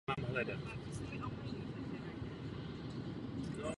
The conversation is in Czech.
V současnosti existuje dvacet milionů environmentálních uprchlíků.